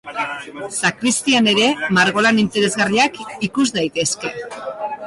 Sakristian ere margolan interesgarriak ikus daitezke.